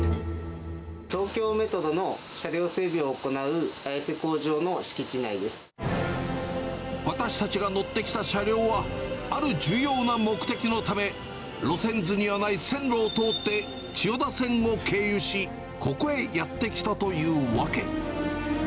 東京メトロの車両整備を行う私たちが乗ってきた車両は、ある重要な目的のため、路線図にはない線路を通って、千代田線を経由し、ここへやって来たというわけ。